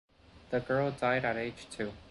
The girl died at age two.